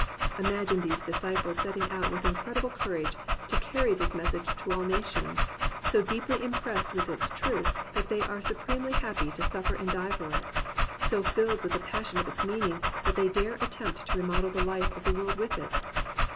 Imagine these disciples setting out with incredible courage to carry this message to all nations, so deeply impressed with its truth that they are su premely happy to suffer and die for it, so filled with the passion of its meaning that they dare attempt to remodel the life of the world with it.